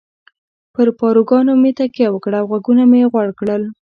پر پاروګانو مې تکیه وکړه او غوږونه مې غوړ کړل.